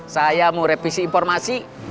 saya mau revisi informasi